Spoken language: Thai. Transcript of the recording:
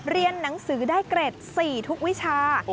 เรียนหนังสือได้เกร็ด๔ทุกวิชา